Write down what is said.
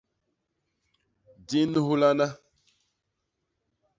Di nnuhlana.